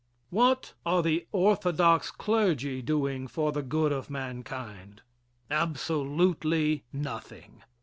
What are the Orthodox Clergy Doing for the Good of Mankind? Absolutely nothing.